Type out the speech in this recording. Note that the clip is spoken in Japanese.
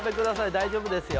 大丈夫ですよ・